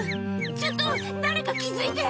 ちょっと誰か気付いて！